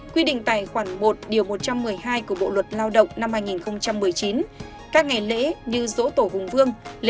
quy định tài khoản một điều một trăm một mươi hai của bộ luật lao động năm hai nghìn một mươi chín các ngày lễ như rỗ tổ hùng vương